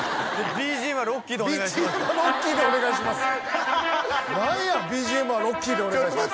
「ＢＧＭはロッキーでお願いします」